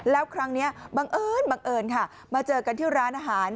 แล้วครั้งนี้บังเอิญบังเอิญค่ะมาเจอกันที่ร้านอาหาร